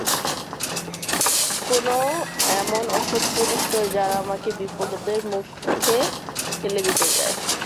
কোন এমন অসৎ পুলিশ নয় যারা আমাকে বিপদের মুখে ঠেলে দিতে চায়।